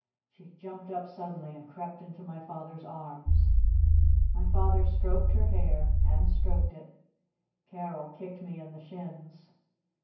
She jumped up suddenly and crept into my Father's arms. My Father stroked her hair. And stroked it. Carol kicked me in the shins.